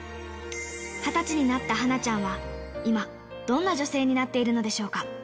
２０歳になったはなちゃんは、今、どんな女性になっているのでしょうか。